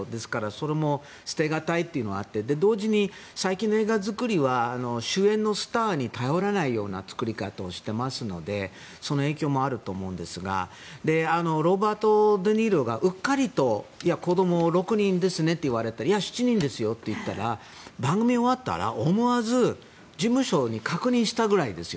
それも捨てがたいというのはあって同時に最近の映画作りは主演のスターに頼らない作り方をしていますのでその影響もあると思うんですがロバート・デ・ニーロがうっかり子どもを６人ですねって言われていや、７人ですよと言ったら番組が終わったら思わず、事務所に確認したぐらいですよ。